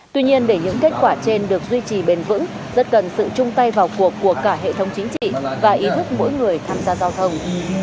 tuy nhiên để những kết quả trên được duy trì bền vững rất cần sự chung tay vào cuộc của cả hệ thống chính trị và ý thức mỗi người tham gia giao thông